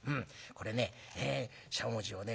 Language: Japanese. これねしゃもじをね